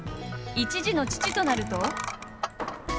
１児の父となると。